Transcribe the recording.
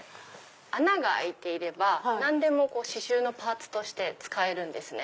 穴が開いていれば何でも刺繍のパーツとして使えるんです。